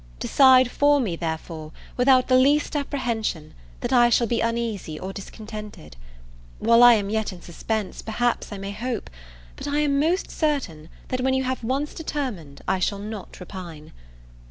Decide for me, therefore, without the least apprehension that I shall be uneasy or discontented. While I am yet in suspense, perhaps I may hope; but I am most certain that when you have once determined I shall not repine.